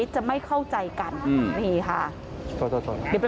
ก็กับวิตและนักนัยทุกปี